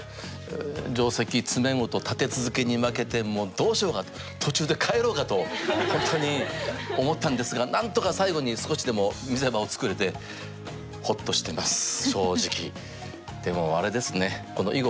定石詰碁と立て続けに負けてもうどうしようかと途中で帰ろうかと本当に思ったんですが何とか最後に少しでも見せ場を作れてほっとしてます正直。